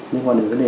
liên quan đến vấn đề